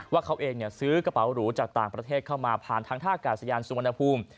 ว่าเขาเองซื้อกระเป๋าหรูจากต่างประเทศเข้ามาผ่านทางท่ากาศยานสุวรรณภูมิ